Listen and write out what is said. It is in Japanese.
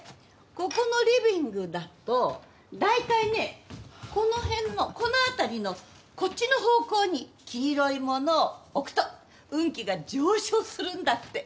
ここのリビングだと大体ねこの辺のこの辺りのこっちの方向に黄色いものを置くと運気が上昇するんだって。